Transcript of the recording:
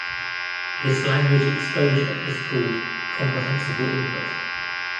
This language exposure is called comprehensible input.